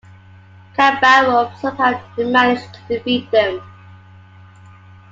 Khabarov somehow managed to defeat them.